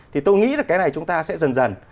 thì tôi nghĩ là cái này chúng ta sẽ dần dần